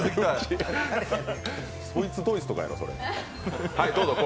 そいつどいつとかやろ、それ。